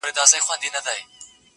عالمونو زنده باد نارې وهلې؛